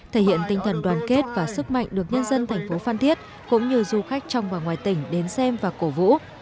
thể hiện tinh thần đoàn kết và sức mạnh được nhân dân thành phố phan thiết cũng như du khách trong và ngoài tỉnh đến xem và cổ vũ